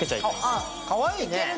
あ、かわいいね。